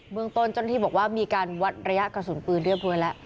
เมืองต้นเจ้าหน้าที่บอกว่ามีการวัดระยะกระสุนปืนเรียบร้อยแล้ว